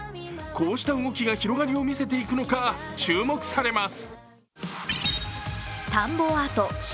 こうした動きが広がりを見せていくのか、注目されます。